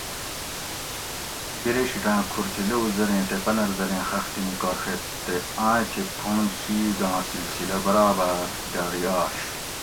بِرے شِیٹاں کھور تھی لوؤ زریں تے پنر زریں خختی نِکاڛیت تے آئیں تھی پُھونڑ شِیگاں سلسلہ برابر جاری آش